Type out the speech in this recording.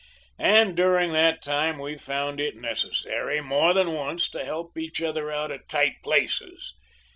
And during that time we've found it necessary more than once to help each other out of tight places.